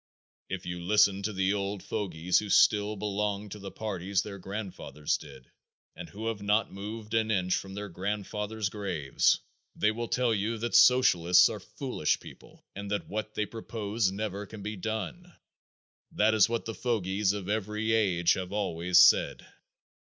If you listen to the old fogies who still belong to the parties their grandfathers did and who have not moved an inch from their grandfathers' graves, they will tell you that socialists are foolish people and that what they propose never can be done. That is what the fogies of every age have always said.